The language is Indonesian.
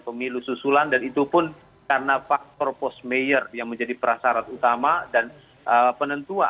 pemilu susulan dan itu pun karena pasa force flour yang menjadi perasarat utama dan penentuan